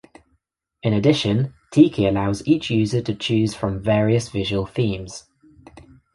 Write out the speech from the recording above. In addition, Tiki allows each user to choose from various visual themes.